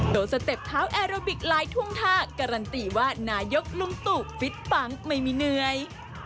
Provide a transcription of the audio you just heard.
โดยสเต็ปเท้าแอโรบิกลายทุ่งท่าการันตีว่านายกลุงตู่ฟิตปังไม่มีเหนื่อย